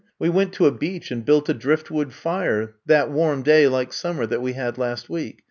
We went to a beach and built a driftwood fire — that warm day, like summer, that we had last week.